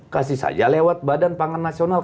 kasih saja lewat badan pangan nasional